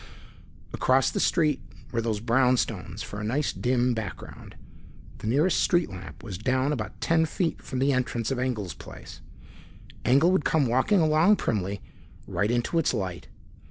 Across the street were those brownstones for a nice dim background. The nearest street lamp was down about ten feet from the entrance of Engel's place. Engel would come walking along primly, right into its light.